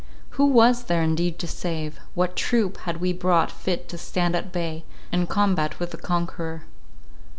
Who was there indeed to save? What troop had we brought fit to stand at bay, and combat with the conqueror?